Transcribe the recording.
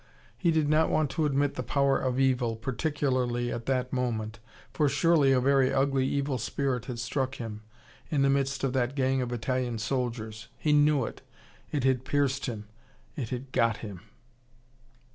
He did not want to admit the power of evil particularly at that moment. For surely a very ugly evil spirit had struck him, in the midst of that gang of Italian soldiers. He knew it it had pierced him. It had got him.